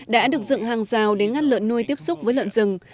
đã được dựng hàng rào để ngăn lợn nuôi tiếp xúc với lợn rừng